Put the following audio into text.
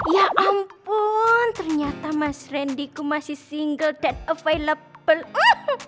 ya ampun ternyata mas randy kumasi single dan available